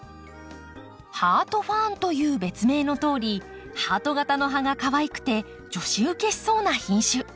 ハートファーンという別名のとおりハート形の葉がかわいくて女子ウケしそうな品種。